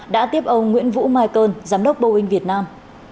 đã tiếp ông nguyễn vũ mai cơn giám đốc boeing việt nam